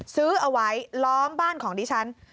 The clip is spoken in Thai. ซื้อเอาไว้ล้อมบ้านของดิฉัน